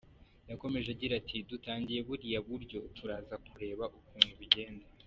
Yakomeje agira ati “Dutangiye buriya buryo, turaza kureba ukuntu bigenda.